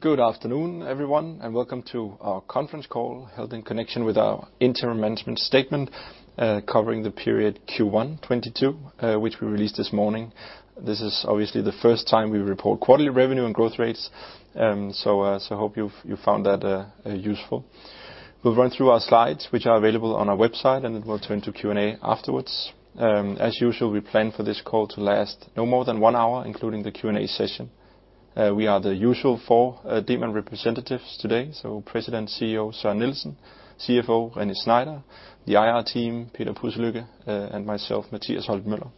Good afternoon, everyone, and welcome to our conference call, held in connection with our interim management statement, covering the period Q1 2022, which we released this morning. This is obviously the first time we report quarterly revenue and growth rates. Hope you've found that useful. We'll run through our slides, which are available on our website, and then we'll turn to Q&A afterwards. As usual, we plan for this call to last no more than one hour, including the Q&A session. We are the usual four Demant representatives today, so President & CEO Søren Nielsen, CFO René Schneider, the IR team, Peter Pudslykke, and myself, Matias Holte Müller.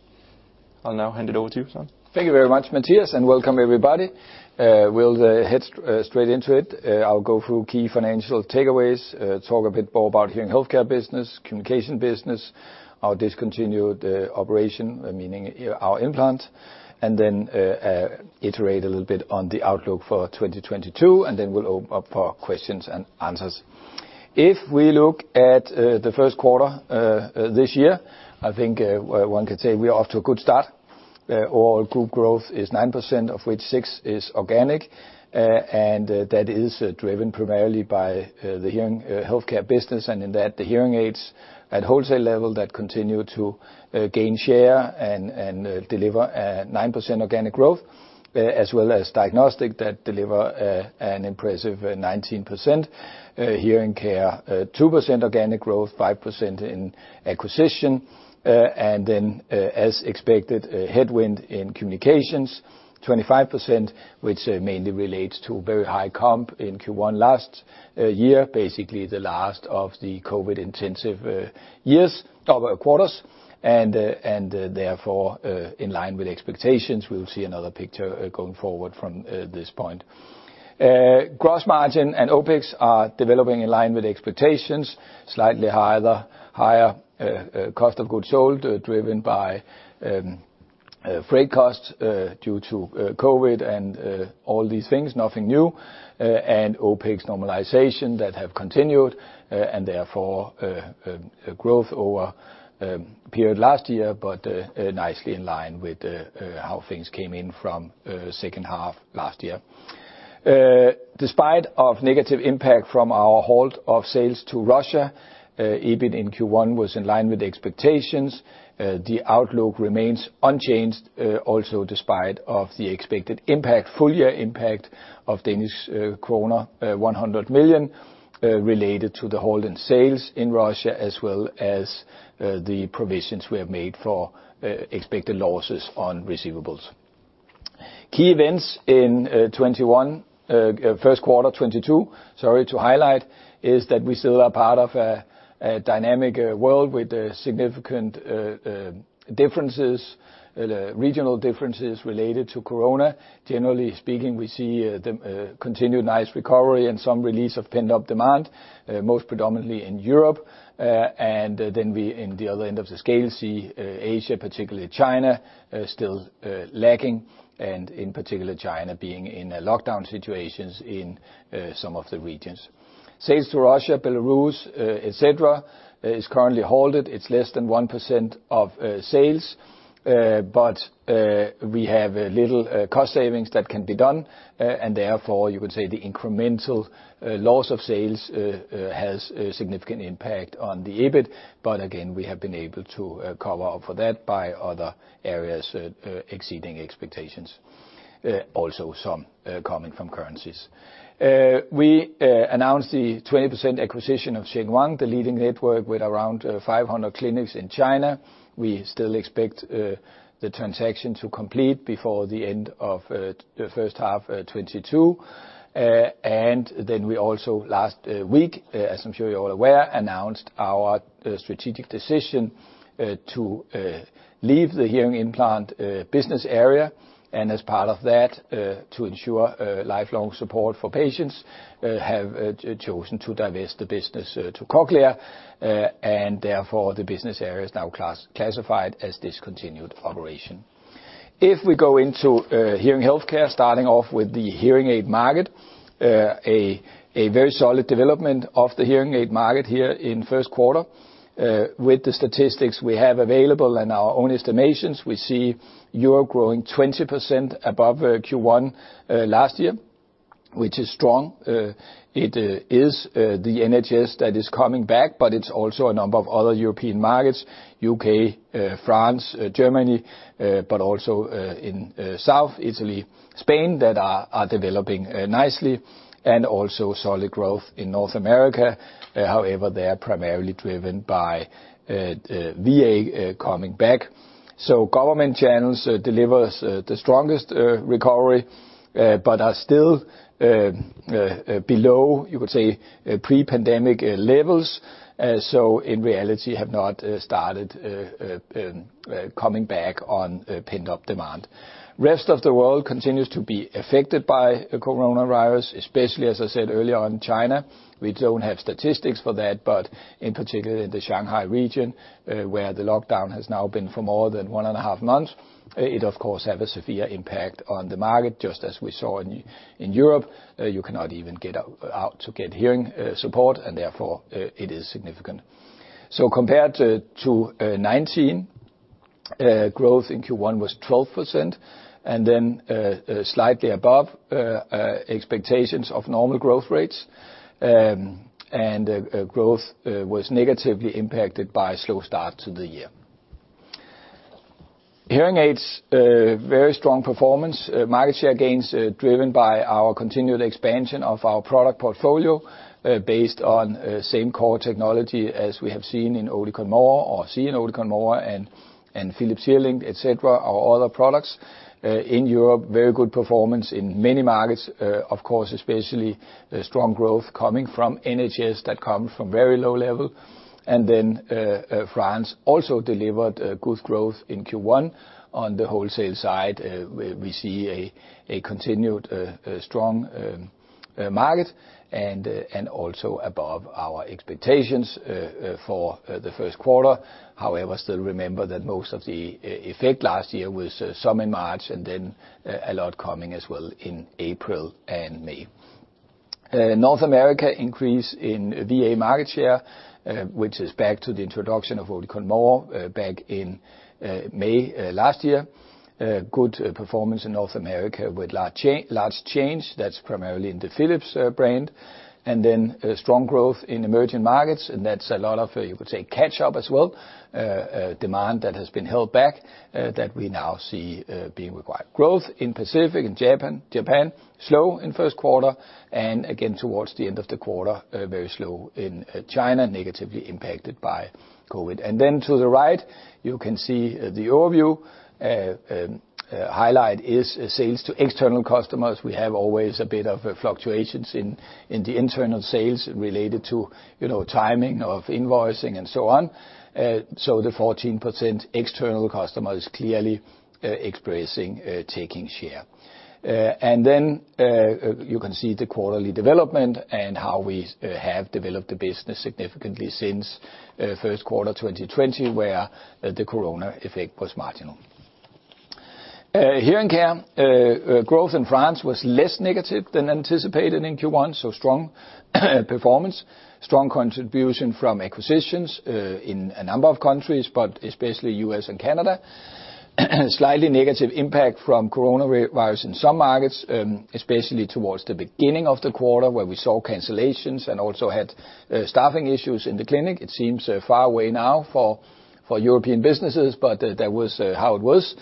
I'll now hand it over to you, Søren. Thank you very much, Matias, and welcome everybody. We'll head straight into it. I'll go through key financial takeaways, talk a bit more about hearing healthcare business, communication business, our discontinued operation, meaning our implant, and then iterate a little bit on the outlook for 2022, and then we'll open up for questions and answers. If we look at the first quarter this year, I think one could say we are off to a good start. All group growth is 9%, of which 6% is organic, and that is driven primarily by the hearing healthcare business, and in that, the hearing aids at wholesale level that continue to gain share and deliver 9% organic growth, as well as diagnostic that deliver an impressive 19%. Hearing care, 2% organic growth, 5% in acquisition, and then, as expected, a headwind in communications, 25%, which mainly relates to very high comps in Q1 last year, basically the last of the COVID intensive years, or quarters, and therefore, in line with expectations, we'll see another picture going forward from this point. Gross margin and OpEx are developing in line with expectations, slightly higher cost of goods sold, driven by freight costs due to COVID and all these things, nothing new, and OpEx normalization that have continued, and therefore growth over period last year, but nicely in line with how things came in from H2 last year. Despite of negative impact from our halt of sales to Russia, EBIT in Q1 was in line with expectations. The outlook remains unchanged, also despite of the expected impact, full year impact of Danish kroner 100 million, related to the halt in sales in Russia, as well as the provisions we have made for expected losses on receivables. Key events in first quarter 2022 to highlight is that we still are part of a dynamic world with significant regional differences related to Corona. Generally speaking, we see the continued nice recovery and some release of pent-up demand, most predominantly in Europe. In the other end of the scale, we see Asia, particularly China, still lagging, and in particular China being in a lockdown situations in some of the regions. Sales to Russia, Belarus, et cetera, is currently halted. It's less than 1% of sales, but we have little cost savings that can be done, and therefore, you could say the incremental loss of sales has a significant impact on the EBIT, but again, we have been able to cover up for that by other areas exceeding expectations, also some coming from currencies. We announced the 20% acquisition of Shengwang, the leading network with around 500 clinics in China. We still expect the transaction to complete before the end of the H1 of 2022. We also last week, as I'm sure you're all aware, announced our strategic decision to leave the hearing implant business area and as part of that, to ensure lifelong support for patients, have chosen to divest the business to Cochlear, and therefore the business area is now classified as discontinued operation. If we go into hearing healthcare, starting off with the hearing aid market, a very solid development of the hearing aid market here in first quarter. With the statistics we have available and our own estimations, we see Europe growing 20% above Q1 last year, which is strong. It is the NHS that is coming back, but it's also a number of other European markets, U.K., France, Germany, but also in southern Italy, Spain, that are developing nicely and also solid growth in North America. However, they are primarily driven by VA coming back. Government channels delivers the strongest recovery, but are still below, you could say, pre-pandemic levels. In reality have not started coming back on pent-up demand. Rest of the world continues to be affected by the coronavirus, especially, as I said earlier, in China. We don't have statistics for that, but in particular in the Shanghai region, where the lockdown has now been for more than one and a half months, it of course have a severe impact on the market, just as we saw in Europe. You cannot even get out to get hearing support, and therefore, it is significant. Compared to 2019, growth in Q1 was 12%, and then slightly above expectations of normal growth rates. Growth was negatively impacted by slow start to the year. Hearing aids very strong performance. Market share gains driven by our continued expansion of our product portfolio, based on same core technology as we have seen in Oticon More and Philips HearLink, et cetera, our other products. In Europe, very good performance in many markets. Of course, especially strong growth coming from NHS that come from very low level. France also delivered good growth in Q1. On the wholesale side, we see a continued strong market, and also above our expectations for the first quarter. However, still remember that most of the effect last year was some in March, and then a lot coming as well in April and May. In North America increase in VA market share, which is back to the introduction of Oticon More back in May last year. Good performance in North America with large chains. That's primarily in the Philips brand. Strong growth in emerging markets, and that's a lot of, you could say, catch-up as well, demand that has been held back, that we now see being required. Growth in Pacific and Japan, slow in first quarter, and again, towards the end of the quarter, very slow in China, negatively impacted by COVID. To the right, you can see the overview. Highlight is sales to external customers. We have always a bit of fluctuations in the internal sales related to, you know, timing of invoicing and so on. So the 14% external customer is clearly expressing taking share. You can see the quarterly development and how we have developed the business significantly since first quarter 2020, where the Corona effect was marginal. Hearing Care growth in France was less negative than anticipated in Q1. Strong performance. Strong contribution from acquisitions in a number of countries, but especially U.S. and Canada. Slightly negative impact from coronavirus in some markets, especially towards the beginning of the quarter, where we saw cancellations and also had staffing issues in the clinic. It seems far away now for European businesses, but that was how it was.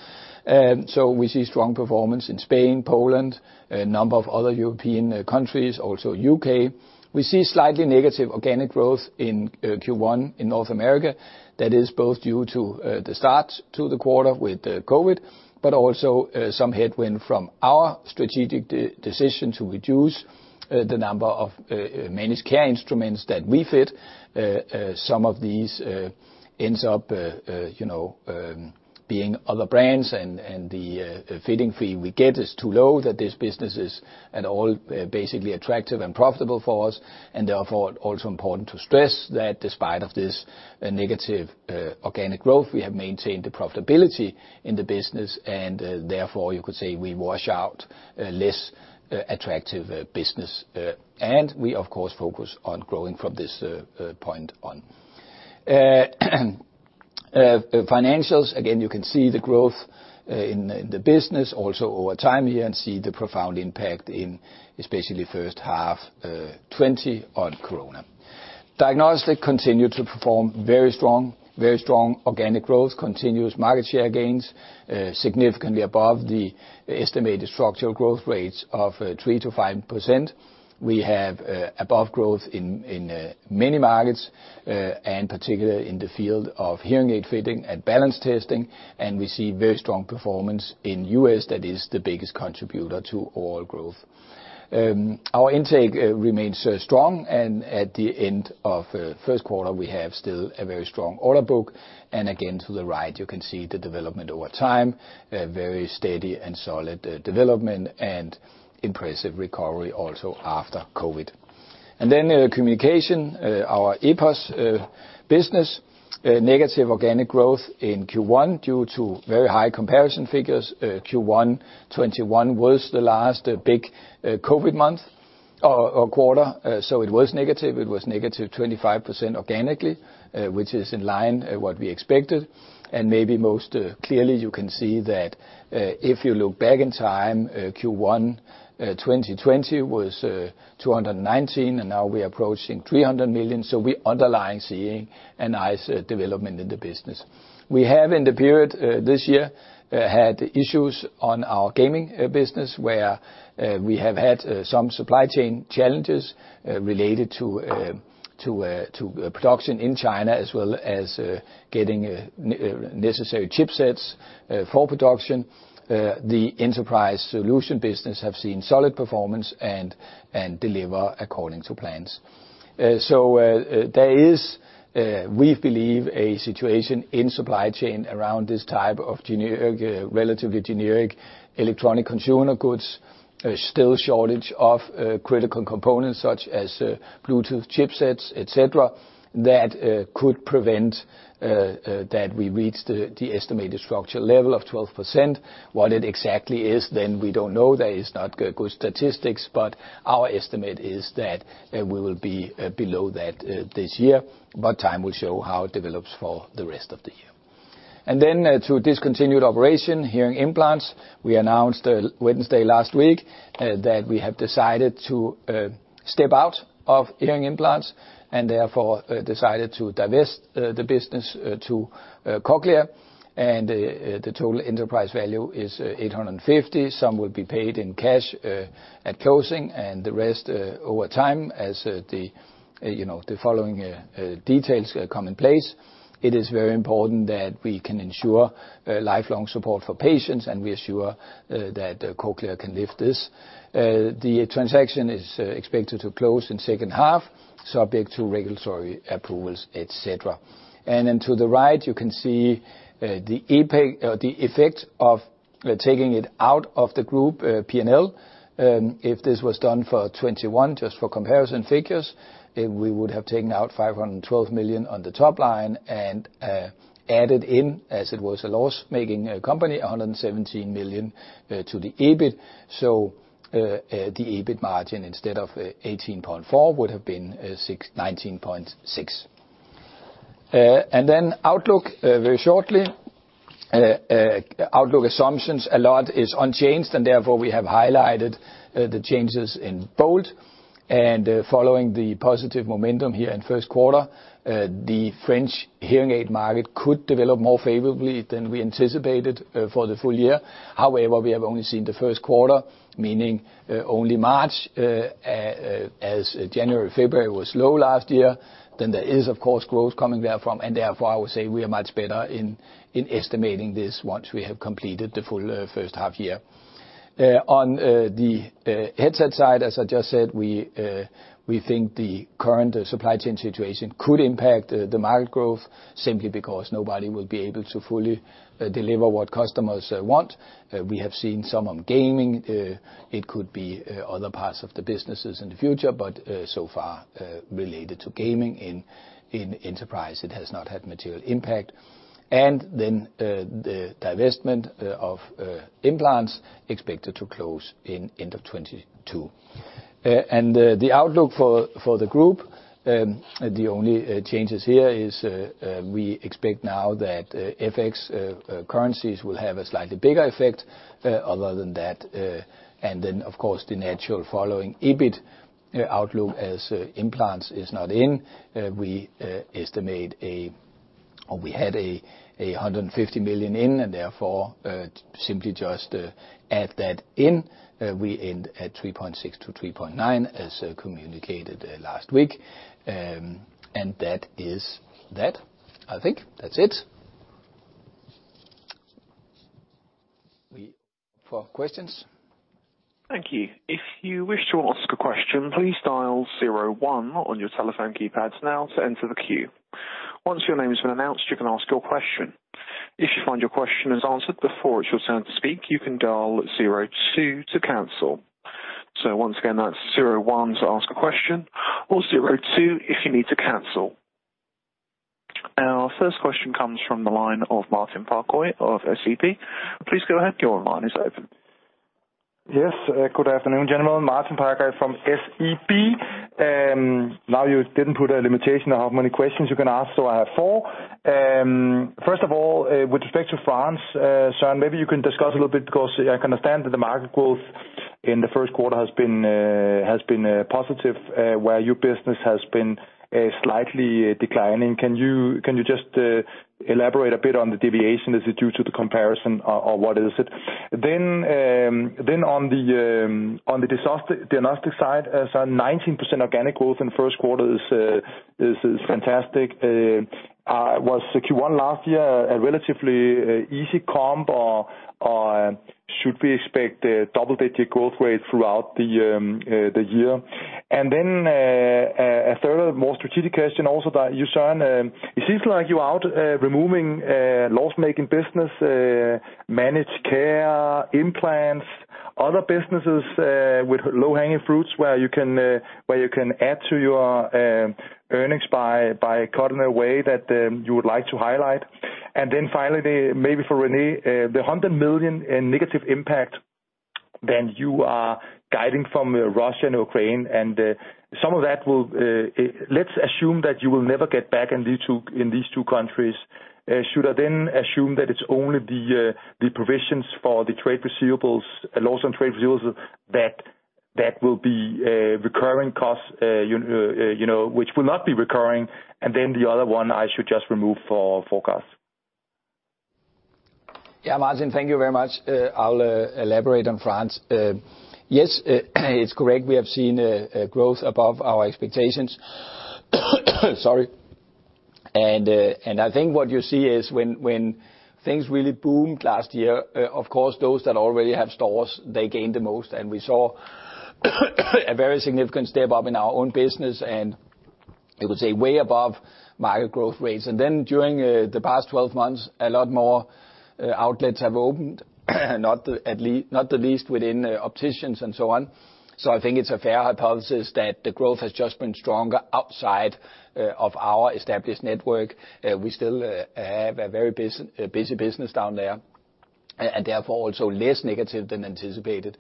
We see strong performance in Spain, Poland, a number of other European countries, also U.K. We see slightly negative organic growth in Q1 in North America. That is both due to the start of the quarter with COVID, but also some headwind from our strategic decision to reduce the number of managed care instruments that we fit. Some of these end up you know being other brands and the fitting fee we get is too low that this business is at all basically attractive and profitable for us. Therefore, also important to stress that despite of this negative organic growth, we have maintained the profitability in the business and therefore, you could say we wash out less attractive business and we of course focus on growing from this point on. Financials, again, you can see the growth in the business also over time here and see the profound impact in especially H1 2020 on Corona. Diagnostics continue to perform very strong organic growth, continuous market share gains significantly above the estimated structural growth rates of 3%-5%. We have above-average growth in many markets, and particularly in the field of hearing aid fitting and balance testing, and we see very strong performance in U.S. that is the biggest contributor to all growth. Our intake remains strong, and at the end of first quarter, we have still a very strong order book. Again, to the right, you can see the development over time, a very steady and solid development and impressive recovery also after COVID. Then, communications, our EPOS business, negative organic growth in Q1 due to very high comparison figures. Q1 2021 was the last big COVID month or quarter. It was negative. It was negative 25% organically, which is in line with what we expected. Maybe most clearly you can see that, if you look back in time, Q1 2020 was 219 million, and now we're approaching 300 million. Underlying we are seeing a nice development in the business. We have, in the period, this year, had issues on our gaming business, where we have had some supply chain challenges related to production in China, as well as getting necessary chipsets for production. The enterprise solution business have seen solid performance and deliver according to plans. There is, we believe, a situation in supply chain around this type of relatively generic electronic consumer goods. Still shortage of critical components such as Bluetooth chipsets, et cetera, that could prevent that we reach the estimated structure level of 12%. What it exactly is then we don't know. There is no good statistics, but our estimate is that we will be below that this year. Time will show how it develops for the rest of the year. To discontinued operations hearing implants, we announced Wednesday last week that we have decided to step out of hearing implants and therefore decided to divest the business to Cochlear. The total enterprise value is 850 million. Some will be paid in cash at closing and the rest over time as, you know, the following details come in place. It is very important that we can ensure lifelong support for patients, and we are sure that Cochlear can live this. The transaction is expected to close in H2, subject to regulatory approvals, et cetera. To the right, you can see the effect of taking it out of the group P&L. If this was done for 2021, just for comparison figures, we would have taken out 512 million on the top line and added in, as it was a loss-making company, 117 million to the EBIT. The EBIT margin, instead of 18.4%, would have been 19.6%. Outlook very shortly. Outlook assumptions, a lot is unchanged, and therefore we have highlighted the changes in bold. Following the positive momentum here in first quarter, the French hearing aid market could develop more favorably than we anticipated for the full year. However, we have only seen the first quarter, meaning only March, as January, February was low last year. There is, of course, growth coming therefrom, and therefore I would say we are much better in estimating this once we have completed the full H1 year. On the headset side, as I just said, we think the current supply chain situation could impact the market growth simply because nobody will be able to fully deliver what customers want. We have seen some on gaming. It could be other parts of the businesses in the future, but so far, related to gaming. In enterprise, it has not had material impact. The divestment of implants expected to close by end of 2022. The outlook for the group, the only changes here is we expect now that FX currencies will have a slightly bigger effect other than that. Of course, the natural following EBIT outlook as implants is not in. We had a 150 million in and therefore simply just add that in. We end at 3.6 billion-3.9 billion, as communicated last week. That is that. I think that's it. Now for questions. Thank you. If you wish to ask a question, please dial zero one on your telephone keypads now to enter the queue. Once your name has been announced, you can ask your question. If you find your question is answered before it's your turn to speak, you can dial zero two to cancel. Once again, that's zero one to ask a question or zero two if you need to cancel. Our first question comes from the line of Martin Parkhøj of SEB. Please go ahead, your line is open. Yes. Good afternoon, gentlemen. Martin Parkhøj from SEB. Now you didn't put a limitation of how many questions you can ask, so I have four. First of all, with respect to France, Søren, maybe you can discuss a little bit, 'cause I understand that the market growth in the first quarter has been positive, where your business has been slightly declining. Can you just elaborate a bit on the deviation? Is it due to the comparison or what is it? On the diagnostic side, so 19% organic growth in first quarter is fantastic. Was the Q1 last year a relatively easy comp, or should we expect a double-digit growth rate throughout the year? A third more strategic question also about you, Søren. It seems like you are out removing loss-making business, managed care, implants, other businesses with low-hanging fruits where you can add to your earnings by cutting a way that you would like to highlight. Finally, maybe for René, the 100 million in negative impact that you are guiding from Russia and Ukraine and some of that will. Let's assume that you will never get back in these two countries. Should I then assume that it's only the provisions for the trade receivables, loss on trade receivables that will be recurring costs, you know, which will not be recurring? The other one I should just remove for forecast. Yeah, Martin, thank you very much. I'll elaborate on France. Yes, it's correct. We have seen growth above our expectations. Sorry. I think what you see is when things really boomed last year, of course, those that already have stores, they gained the most. We saw a very significant step up in our own business, and you could say way above market growth rates. During the past 12 months, a lot more outlets have opened, not the least within opticians and so on. I think it's a fair hypothesis that the growth has just been stronger outside of our established network. We still have a very busy business down there. Therefore also less negative than anticipated.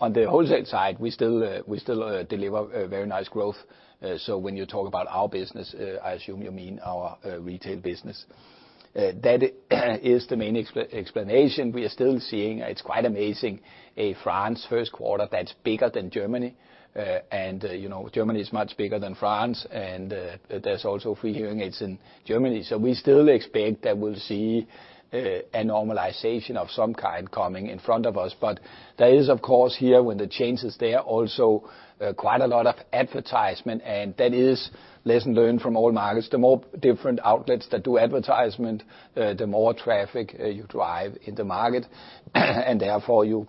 On the wholesale side, we still deliver a very nice growth. When you talk about our business, I assume you mean our retail business. That is the main explanation. We are still seeing, it's quite amazing, a first quarter in France that's bigger than Germany. You know, Germany is much bigger than France, and there's also free hearing aids in Germany. We still expect that we'll see a normalization of some kind coming in front of us. There is, of course, here, when the change is there, also quite a lot of advertisement, and that is a lesson learned from all markets. The more different outlets that do advertisement, the more traffic you drive in the market. Therefore, you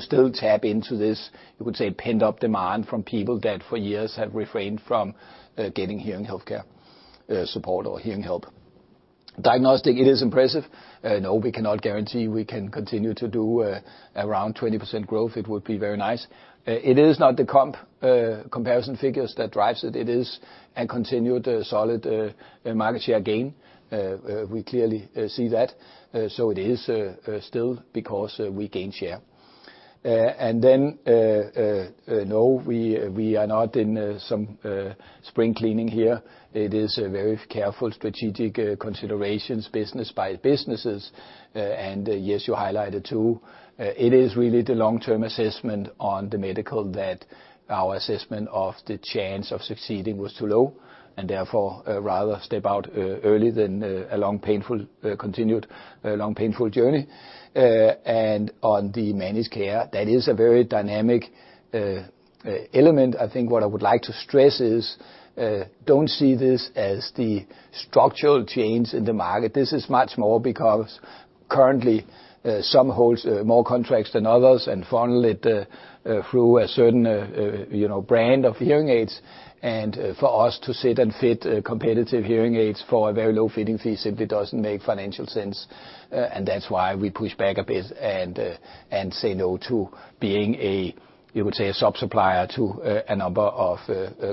still tap into this, you could say, pent-up demand from people that for years have refrained from getting hearing healthcare support or hearing help. Diagnostics, it is impressive. No, we cannot guarantee we can continue to do around 20% growth. It would be very nice. It is not the comparison figures that drives it. It is a continued solid market share gain. We clearly see that. It is still because we gain share. No, we are not in some spring cleaning here. It is a very careful strategic considerations, business by businesses. Yes, you highlighted, too, it is really the long-term assessment on the medical that our assessment of the chance of succeeding was too low, and therefore rather step out early than a long, painful continued journey. On the managed care, that is a very dynamic element. I think what I would like to stress is, don't see this as the structural change in the market. This is much more because currently, some holds more contracts than others and funnel it through a certain, you know, brand of hearing aids. For us to sit and fit competitive hearing aids for a very low fitting fee simply doesn't make financial sense. That's why we push back a bit and say no to being a, you would say, a sub-supplier to a number of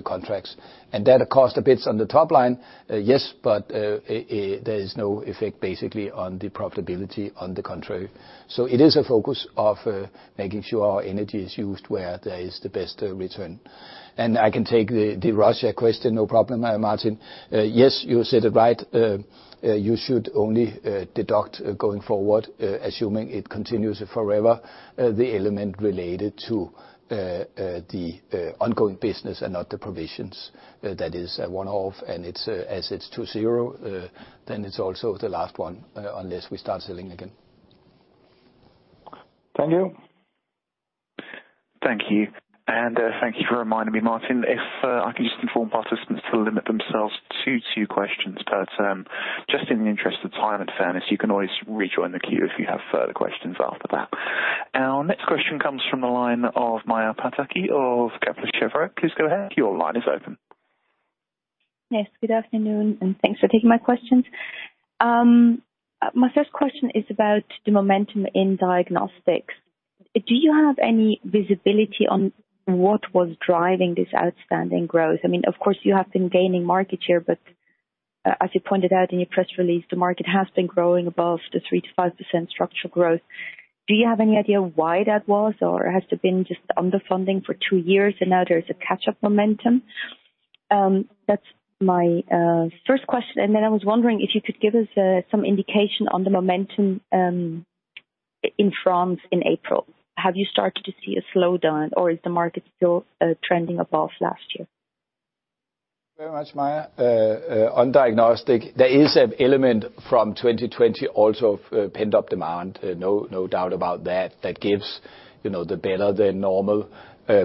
contracts. That cost a bit on the top line, yes, but there is no effect basically on the profitability on the contrary. It is a focus of making sure our energy is used where there is the best return. I can take the Russia question, no problem, Martin. Yes, you said it right. You should only deduct going forward, assuming it continues forever, the element related to the ongoing business and not the provisions. That is a one-off, and it's assets to zero, then it's also the last one, unless we start selling again. Thank you. Thank you. Thank you for reminding me, Martin. If I can just inform participants to limit themselves to two questions per turn, just in the interest of time and fairness. You can always rejoin the queue if you have further questions after that. Our next question comes from the line of Maja Pataki of Kepler Cheuvreux. Please go ahead. Your line is open. Yes, good afternoon, and thanks for taking my questions. My first question is about the momentum in diagnostics. Do you have any visibility on what was driving this outstanding growth? I mean, of course, you have been gaining market share, but as you pointed out in your press release, the market has been growing above the 3%-5% structural growth. Do you have any idea why that was? Or has it been just underfunding for two years and now there's a catch-up momentum? That's my first question. Then I was wondering if you could give us some indication on the momentum in France in April. Have you started to see a slowdown, or is the market still trending above last year? Very much, Maja. On diagnostic, there is an element from 2020 also of pent-up demand. No doubt about that. That gives, you know, the better than normal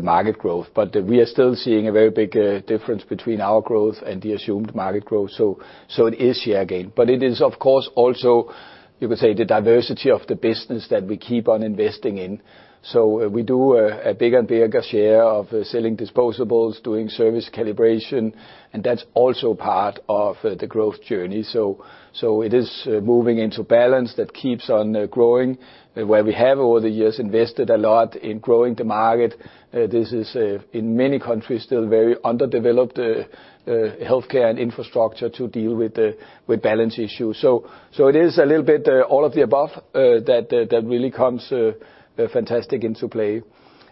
market growth. We are still seeing a very big difference between our growth and the assumed market growth. It is share gain. It is, of course, also, you could say, the diversity of the business that we keep on investing in. We do a bigger and bigger share of selling disposables, doing service calibration, and that's also part of the growth journey. It is moving into balance that keeps on growing, where we have over the years invested a lot in growing the market. This is in many countries still very underdeveloped healthcare and infrastructure to deal with balance issues. It is a little bit all of the above, that really comes fantastically into play.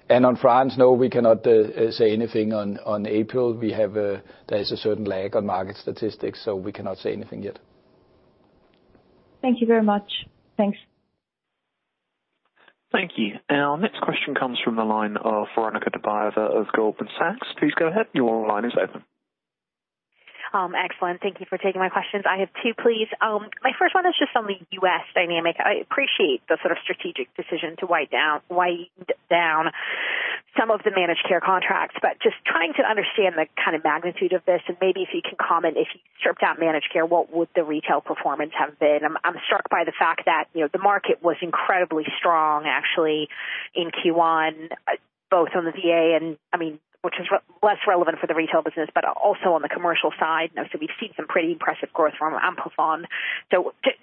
On France, no, we cannot say anything on April. There is a certain lag on market statistics, so we cannot say anything yet. Thank you very much. Thanks. Thank you. Our next question comes from the line of Andjela Bozinovic of Goldman Sachs. Please go ahead. Your line is open. Excellent. Thank you for taking my questions. I have two, please. My first one is just on the U.S. dynamic. I appreciate the sort of strategic decision to wind down some of the managed care contracts, but just trying to understand the kind of magnitude of this, and maybe if you can comment, if you stripped out managed care, what would the retail performance have been? I'm struck by the fact that, you know, the market was incredibly strong, actually, in Q1, both on the VA and, I mean, which is less relevant for the retail business, but also on the commercial side. We've seen some pretty impressive growth from Amplifon.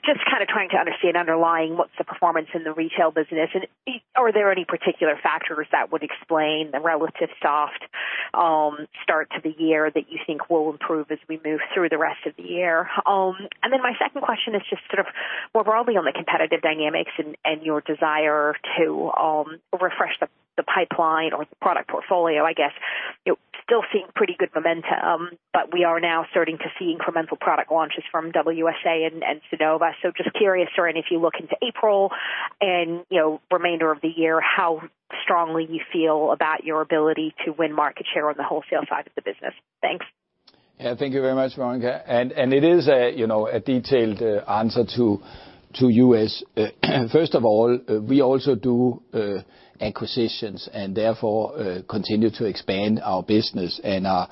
Just kinda trying to understand underlying what's the performance in the retail business, and are there any particular factors that would explain the relative soft Slow start to the year that you think will improve as we move through the rest of the year. My second question is just sort of more broadly on the competitive dynamics and your desire to refresh the pipeline or the product portfolio, I guess. You're still seeing pretty good momentum, but we are now starting to see incremental product launches from WSA and Sonova. Just curious around if you look into April and, you know, remainder of the year, how strongly you feel about your ability to win market share on the wholesale side of the business. Thanks. Yeah, thank you very much, Veronika. It is a detailed answer to you. First of all, we also do acquisitions and therefore continue to expand our business and are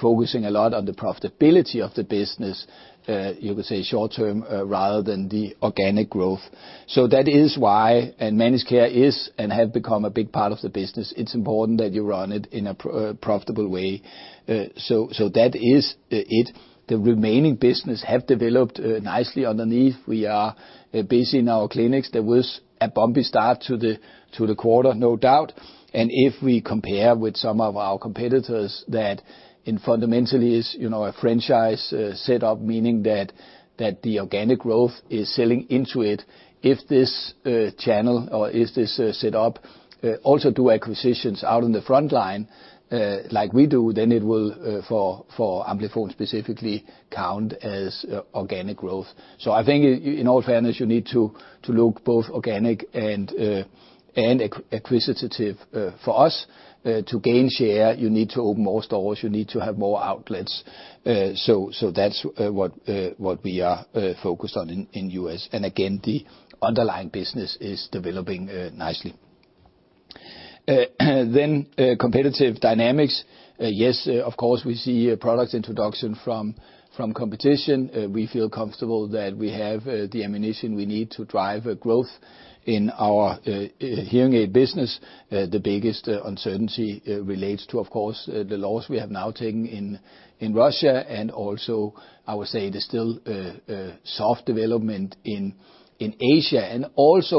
focusing a lot on the profitability of the business. You could say short-term rather than the organic growth. That is why, and managed care is and have become a big part of the business. It's important that you run it in a profitable way. So that is it. The remaining business have developed nicely underneath. We are busy in our clinics. There was a bumpy start to the quarter, no doubt. If we compare with some of our competitors that it fundamentally is, you know, a franchise setup, meaning that the organic growth is selling into it, if this channel or if this setup also do acquisitions out in the front line, like we do, then it will for Amplifon specifically count as organic growth. I think in all fairness, you need to look both organic and acquisitive. For us, to gain share, you need to open more stores, you need to have more outlets. That's what we are focused on in U.S. Again, the underlying business is developing nicely. Then, competitive dynamics. Yes, of course, we see product introduction from competition. We feel comfortable that we have the ammunition we need to drive growth in our hearing aid business. The biggest uncertainty relates to, of course, the loss we have now taken in Russia. I would say there's still a soft development in Asia.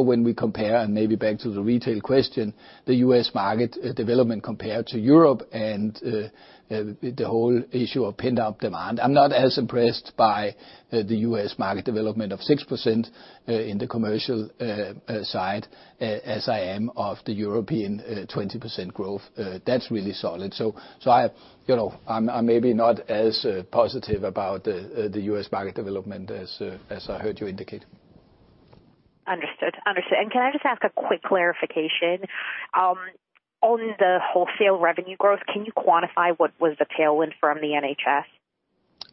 When we compare, and maybe back to the retail question, the U.S. market development compared to Europe and the whole issue of pent-up demand. I'm not as impressed by the U.S. market development of 6% in the commercial side as I am of the European 20% growth. That's really solid. I you know maybe not as positive about the U.S. market development as I heard you indicate. Understood. Can I just ask a quick clarification? On the wholesale revenue growth, can you quantify what was the tailwind from the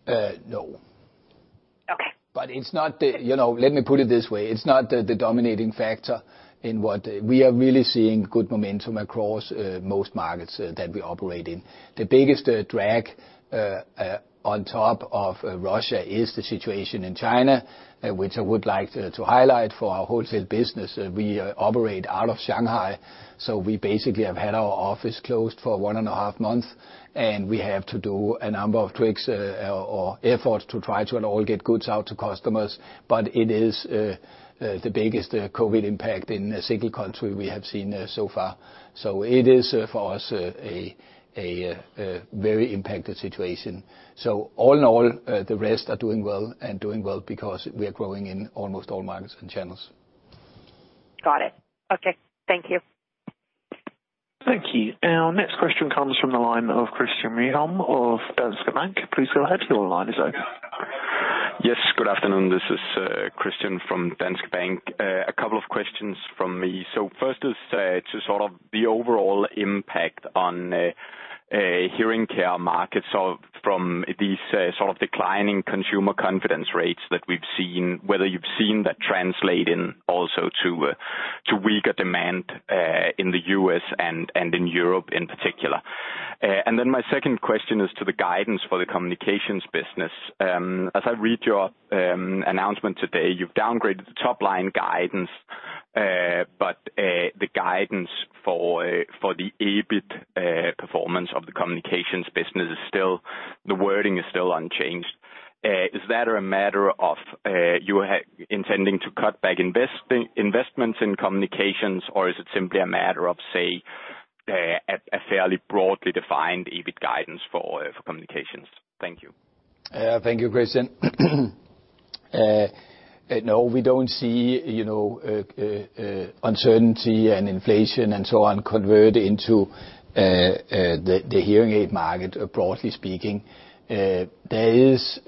NHS? No. Okay. You know, let me put it this way. It's not the dominating factor in what we are really seeing good momentum across most markets that we operate in. The biggest drag on top of Russia is the situation in China, which I would like to highlight for our wholesale business. We operate out of Shanghai, so we basically have had our office closed for one and a half months, and we have to do a number of tweaks or efforts to try to at all get goods out to customers. It is the biggest COVID impact in a single country we have seen so far. It is for us a very impacted situation. All in all, the rest are doing well because we are growing in almost all markets and channels. Got it. Okay. Thank you. Thank you. Our next question comes from the line of Christian Ryom of Danske Bank. Please go ahead. Your line is open. Yes, good afternoon. This is Christian from Danske Bank. A couple of questions from me. First is to sort of the overall impact on hearing care markets from these sort of declining consumer confidence rates that we've seen, whether you've seen that translate into also to weaker demand in the US and in Europe in particular. My second question is to the guidance for the communications business. As I read your announcement today, you've downgraded the top-line guidance. The guidance for the EBIT performance of the communications business is still. The wording is still unchanged. Is that a matter of you intending to cut back investments in communications, or is it simply a matter of, say, a fairly broadly defined EBIT guidance for communications? Thank you. Thank you, Christian. No, we don't see, you know, uncertainty and inflation and so on convert into the hearing aid market, broadly speaking. There is,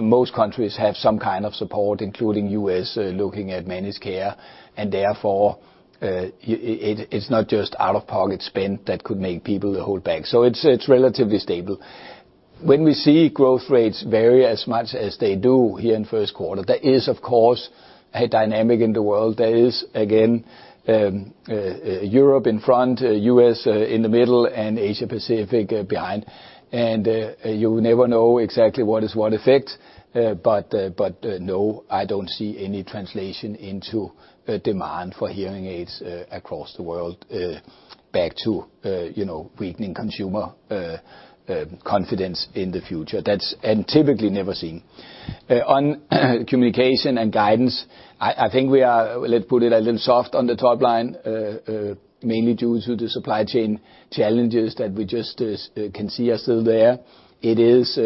most countries have some kind of support, including U.S., looking at managed care, and therefore, it it's not just out-of-pocket spend that could make people hold back. It's relatively stable. When we see growth rates vary as much as they do here in first quarter, there is of course, a dynamic in the world. There is, again, Europe in front, U.S. in the middle, and Asia Pacific behind. You never know exactly what is what effect. No, I don't see any translation into demand for hearing aids across the world back to you know weakening consumer confidence in the future. That's and typically never seen. On communication and guidance, I think we are. Let's put it a little soft on the top line mainly due to the supply chain challenges that we just can see are still there. It is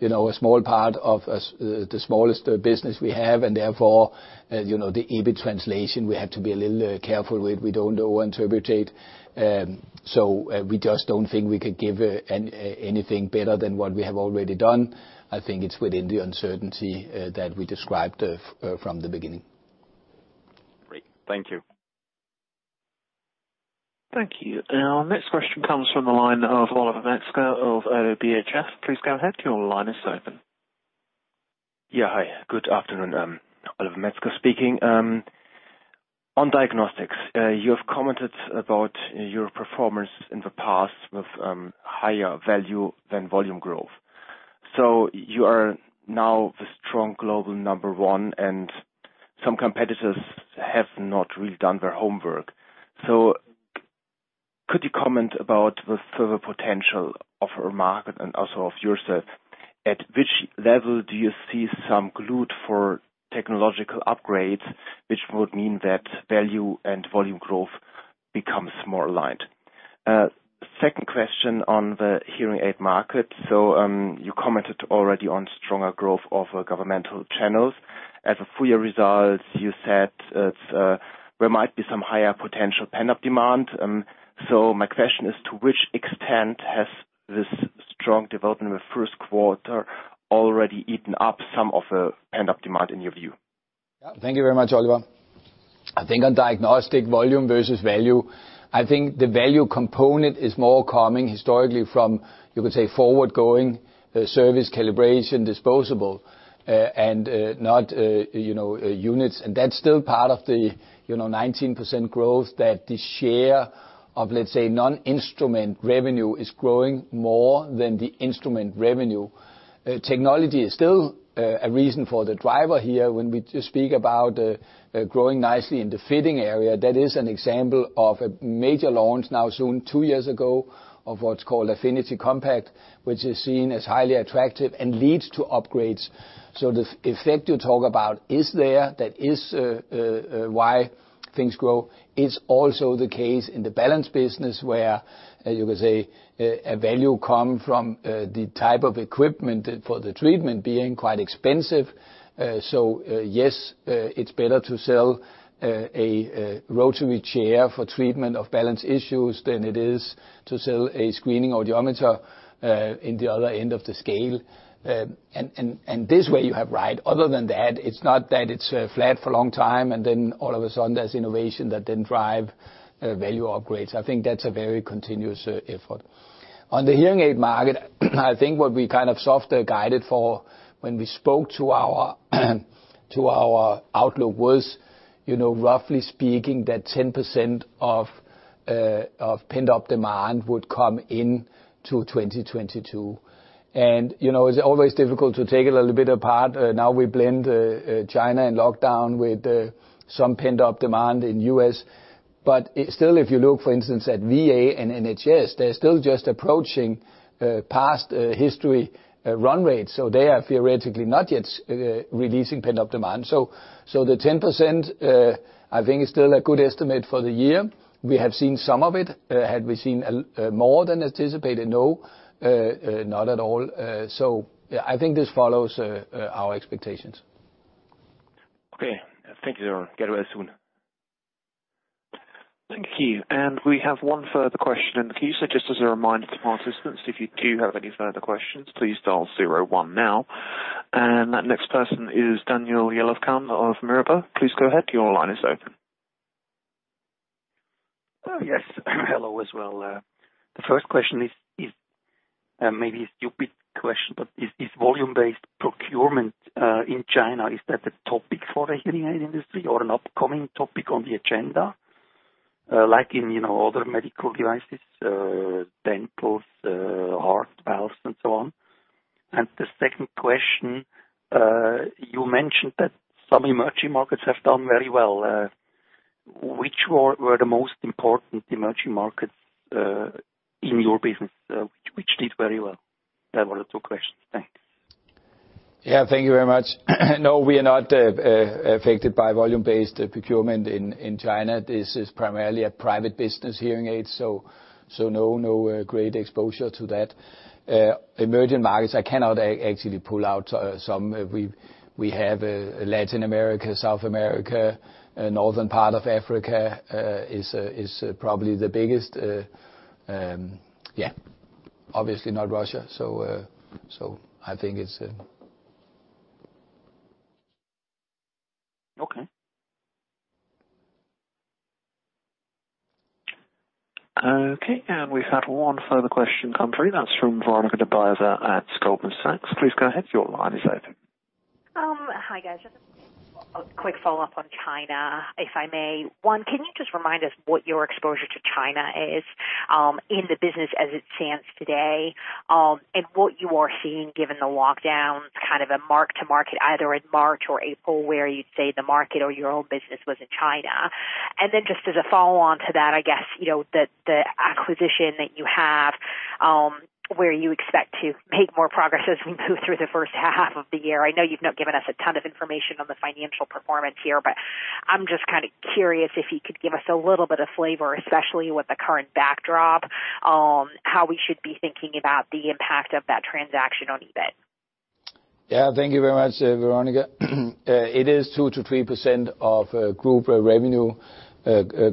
you know a small part of the smallest business we have, and therefore you know the EBIT translation, we have to be a little careful with. We don't overinterpret it. We just don't think we could give anything better than what we have already done. I think it's within the uncertainty that we described from the beginning. Thank you. Thank you. Our next question comes from the line of Oliver Metzger of BHF. Please go ahead, your line is open. Yeah, hi. Good afternoon, I'm Oliver Metzger speaking. On diagnostics, you have commented about your performance in the past with higher value than volume growth. You are now the strong global number one, and some competitors have not really done their homework. Could you comment about the further potential of our market and also of yourself? At which level do you see some leeway for technological upgrades, which would mean that value and volume growth becomes more aligned? Second question on the hearing aid market. You commented already on stronger growth of governmental channels. In the full year results, you said it's there might be some higher potential pent-up demand. My question is, to which extent has this strong development in the first quarter already eaten up some of the pent-up demand in your view? Thank you very much, Oliver. I think on diagnostic volume versus value, the value component is more coming historically from, you could say, forward-going service calibration disposable, and not, you know, units. That's still part of the, you know, 19% growth that the share of, let's say, non-instrument revenue is growing more than the instrument revenue. Technology is still a reason for the driver here. When we speak about growing nicely in the fitting area, that is an example of a major launch now soon two years ago of what's called Affinity Compact, which is seen as highly attractive and leads to upgrades. The effect you talk about is there. That is why things grow. It's also the case in the balance business where, you could say, a value come from the type of equipment for the treatment being quite expensive. Yes, it's better to sell a rotary chair for treatment of balance issues than it is to sell a screening audiometer in the other end of the scale. This way you have right. Other than that, it's not that it's flat for a long time, and then all of a sudden there's innovation that then drive value upgrades. I think that's a very continuous effort. On the hearing aid market, I think what we kind of softly guided for when we spoke to our outlook was, you know, roughly speaking that 10% of pent-up demand would come in to 2022. You know, it's always difficult to take it a little bit apart. Now we blend China and lockdown with some pent-up demand in U.S. Still, if you look for instance at VA and NHS, they're still just approaching past history run rates, so they are theoretically not yet releasing pent-up demand. The 10%, I think is still a good estimate for the year. We have seen some of it. Have we seen a more than anticipated? No, not at all. I think this follows our expectations. Okay. Thank you. Get well soon. Thank you. We have one further question. As a reminder to participants, if you do have any further questions, please dial zero one now. That next person is Daniel Jelovcan of Mirabaud. Please go ahead, your line is open. Oh, yes. Hello as well. The first question is maybe a stupid question, but is volume-based procurement in China a topic for the hearing aid industry or an upcoming topic on the agenda? Like in, you know, other medical devices, dentals, heart valves and so on. The second question, you mentioned that some emerging markets have done very well. Which were the most important emerging markets in your business which did very well? I have one or two questions. Thanks. Yeah. Thank you very much. No, we are not affected by volume-based procurement in China. This is primarily a private business hearing aid, so no great exposure to that. Emerging markets, I cannot actually pull out some. We have Latin America, South America, northern part of Africa is probably the biggest. Obviously not Russia. I think it's. Okay. Okay, we've had one further question come through. That's from Veronika Dubajova at Goldman Sachs. Please go ahead. Your line is open. Hi, guys. Just a quick follow-up on China, if I may. One, can you just remind us what your exposure to China is, in the business as it stands today? And what you are seeing given the lockdowns, kind of a mark to market, either in March or April, where you'd say the market or your own business was in China. Then just as a follow-on to that, I guess, you know, the acquisition that you have, where you expect to make more progress as we move through the H1 of the year. I know you've not given us a ton of information on the financial performance here, but I'm just kind of curious if you could give us a little bit of flavor, especially with the current backdrop, how we should be thinking about the impact of that transaction on EBIT. Yeah. Thank you very much, Veronika. It is 2%-3% of group revenue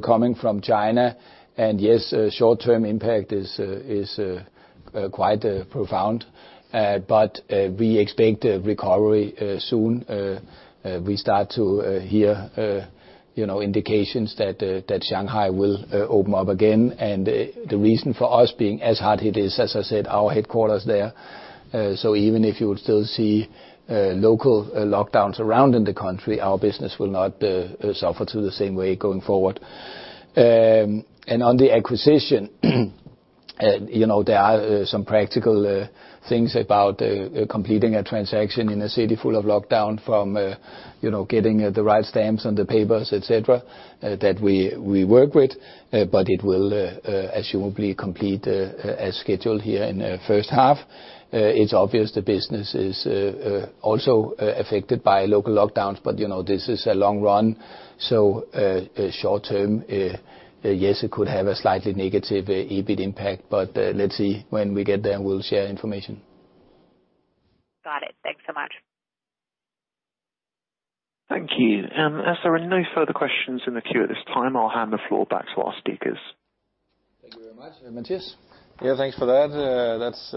coming from China. Yes, short-term impact is quite profound. We expect a recovery soon. We start to hear you know indications that Shanghai will open up again. The reason for us being as hard hit is, as I said, our headquarters there. Even if you would still see local lockdowns around in the country, our business will not suffer to the same way going forward. On the acquisition, you know, there are some practical things about completing a transaction in a city full of lockdown from you know getting the right stamps on the papers, etc., that we work with. It will presumably complete as scheduled here in the H1. It's obvious the business is also affected by local lockdowns, but you know, this is a long run. Short-term, yes, it could have a slightly negative EBIT impact, but let's see. When we get there, we'll share information. Got it. Thanks so much. Thank you. As there are no further questions in the queue at this time, I'll hand the floor back to our speakers. Thank you very much. Matias? Yeah, thanks for that. That's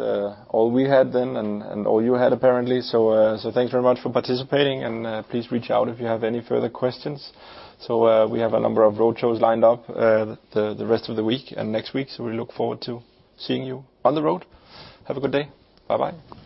all we had then, and all you had apparently. Thanks very much for participating, and please reach out if you have any further questions. We have a number of roadshows lined up, the rest of the week and next week. We look forward to seeing you on the road. Have a good day. Bye-bye. Bye.